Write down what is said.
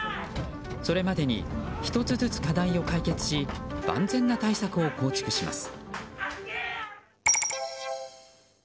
それまでに１つずつ課題を解決し万全な対策を構築します。